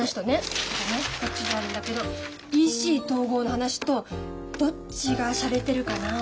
こっちにあるんだけどＥＣ統合の話とどっちがしゃれてるかな。